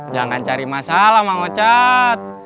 jangan cari masalah bang ocat